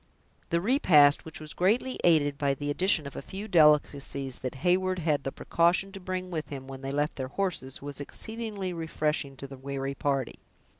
The repast, which was greatly aided by the addition of a few delicacies that Heyward had the precaution to bring with him when they left their horses, was exceedingly refreshing to the weary party.